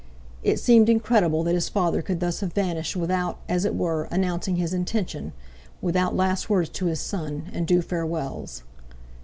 It seemed incredible that his father could thus have vanished without, as it were, announcing his intention, without last words to his son, and due farewells.